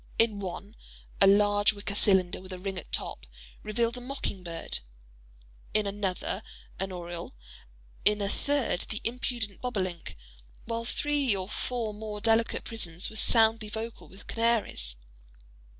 In one, a large wicker cylinder with a ring at top, revelled a mocking bird; in another an oriole; in a third the impudent bobolink—while three or four more delicate prisons were loudly vocal with canaries.